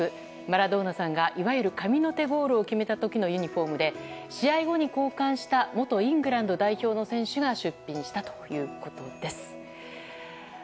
マラドーナさんがいわゆる神の手ゴールを決めた時のユニホームで試合後に交換した元イングランド代表の選手が出品したということです。